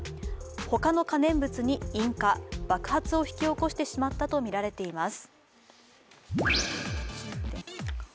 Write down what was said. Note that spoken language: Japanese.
他の可燃物に引火、爆発を引き起こしてしまったとみられています。